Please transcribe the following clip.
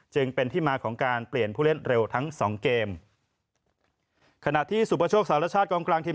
จึงเป็นที่มาของการเปลี่ยนผู้เล่นเร็วทั้ง๒เกม